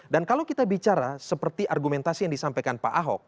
dan kalau kita bicara seperti argumentasi yang disampaikan pak